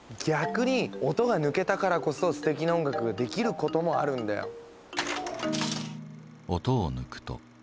逆に音が抜けたからこそすてきな音楽ができることもあるんだよ。